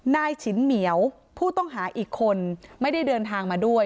ฉินเหมียวผู้ต้องหาอีกคนไม่ได้เดินทางมาด้วย